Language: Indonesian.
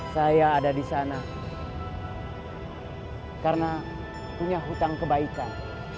saya ada di sana karena punya hutang kebaikan